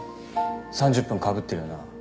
３０分かぶってるよな。